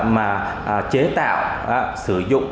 mà chế tạo sử dụng